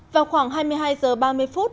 vào khoảng hai mươi hai h ba mươi phút